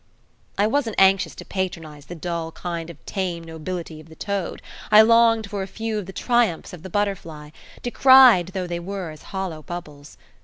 I wasn't anxious to patronize the dull kind of tame nobility of the toad; I longed for a few of the triumphs of the butterfly, decried though they are as hollow bubbles.